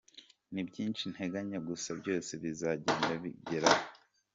Ni byinshi nteganya gusa byose bizagenda bibageraho.